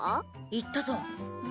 言ったぞ。